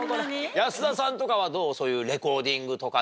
保田さんとかはどう？